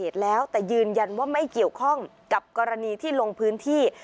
แต่ยืนยันว่าไม่เกี่ยวข้องกับกรณีที่ลงพื้นที่